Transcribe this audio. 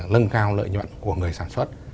lâng cao lợi nhuận của người sản xuất